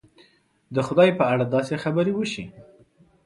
د خدای په اړه داسې خبرې وشي.